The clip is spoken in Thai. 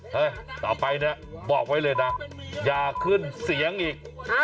เฮ้ยเธอไปน่ะบอกไว้เลยนะอย่าขึ้นเสียงอีก